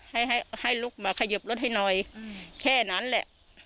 ให้ให้ลุกมาขยิบรถให้หน่อยแค่นั้นแหละ